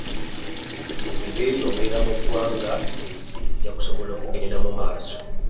Bwe beeyongera mu ggwanga, ensi ejja kusobola okugenda mu maaso.